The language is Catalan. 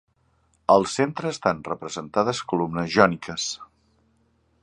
Al centre estan representades columnes jòniques.